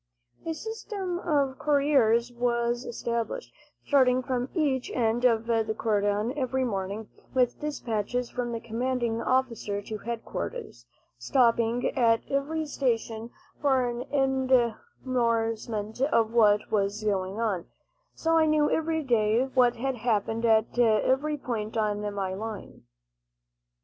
A system of couriers was established, starting from each end of the cordon every morning, with dispatches from the commanding officer to headquarters, stopping at every station for an indorsement of what was going on, so I knew every day what had happened at every point on my line.